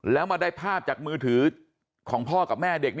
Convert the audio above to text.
แล้วมาได้ภาพจากมือถือของพ่อกับแม่เด็ก